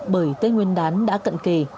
bởi tới nguyên đán đã cận kề